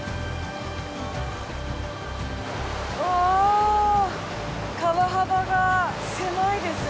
おお川幅が狭いですね。